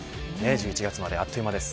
１１月まであっという間です。